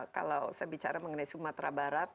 kalau saya bicara mengenai sumatera barat